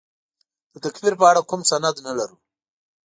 د تکفیر په اړه کوم سند نه لرو.